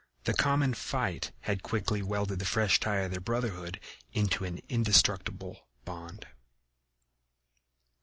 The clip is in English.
The common fight had quickly welded the fresh tie of their brotherhood into an indestructible bond.